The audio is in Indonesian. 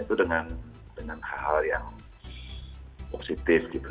itu dengan hal hal yang positif gitu